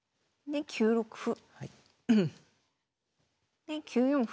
で１六歩。